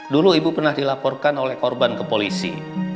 dulu ibu pernah dilaporkan oleh korban ke polisi